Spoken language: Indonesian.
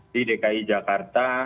di dki jakarta